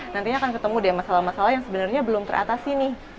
nantinya akan ketemu deh masalah masalah yang sebenarnya belum teratasi nih